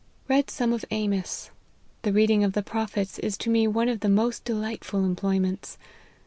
" Read some of Amos. The reading of the Prophets is to me one of the most delightful employments.